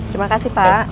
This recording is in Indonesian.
terima kasih pak